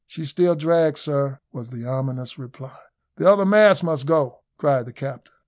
"She still drags, sir," was the ominous reply. "The other masts must go," cried the captain.